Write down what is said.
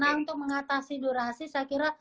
nah untuk mengatasi durasi saya kira